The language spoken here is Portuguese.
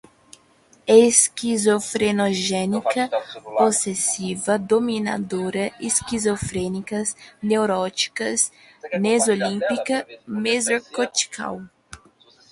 esquizofrenogénica, possessiva, dominadora, esquizofrênicas, neuróticas, mesolímbica, mesocortical